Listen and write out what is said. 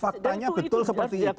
faktanya betul seperti itu